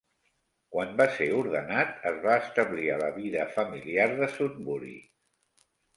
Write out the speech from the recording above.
Quan va ser ordenat, es va establir a la vida familiar de Sudbury.